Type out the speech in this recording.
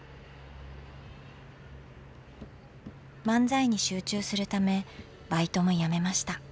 漫才に集中するためバイトもやめました。